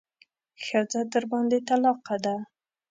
ښځه درباندې طلاقه ده.